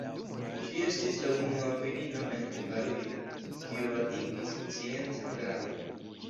Ŝi estis la unua virino en Hungarujo, kiu atingis sciencan gradon.